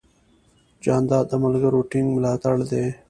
جانداد د ملګرو ټینګ ملاتړ دی.